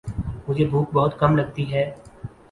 مجھے بھوک بہت کم لگتی ہے